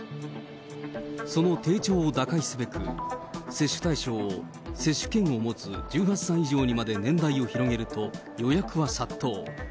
その低調を打開すべく、接種対象を接種券を持つ１８歳以上にまで年代を広げると、予約は殺到。